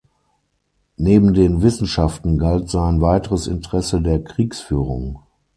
Neben den Wissenschaften galt sein weiteres Interesse der Kriegsführung.